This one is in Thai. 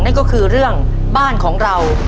นั่นก็คือเรื่องบ้านของเรา